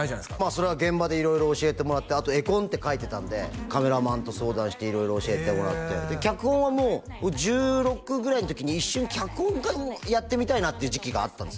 それは現場で色々教えてもらってあと絵コンテ描いてたんでカメラマンと相談して色々教えてもらって脚本はもう１６ぐらいの時に一瞬脚本家もやってみたいなっていう時期があったんです